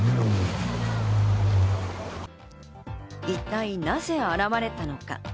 一体なぜ現れたのか？